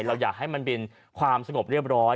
เราอยากให้มันเป็นความสงบเรียบร้อย